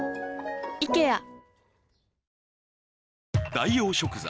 代用食材